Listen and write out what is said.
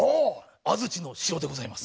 安土の城でございます。